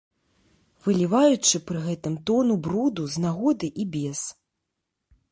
Выліваючы пры гэтым тону бруду з нагоды і без.